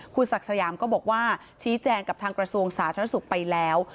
คุณศักดิ์สยามก็บอกว่าชี้แจงกับทางกระทรวงสาธารณสุขไปแล้ว